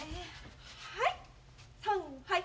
はい。